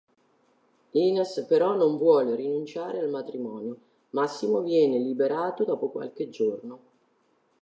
Ines però non vuole rinunciare al matrimonio; Massimo viene liberato dopo qualche giorno.